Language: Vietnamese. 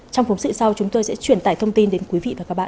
trong phóng sự sau chúng tôi sẽ truyền tải thông tin đến quý vị và các bạn